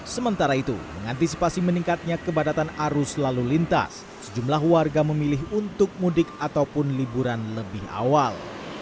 sementara itu mengantisipasi meningkatnya kebadatan arus lalu lintas sejumlah warga memilih untuk mudik ataupun liburan lebih awal